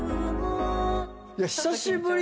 久しぶり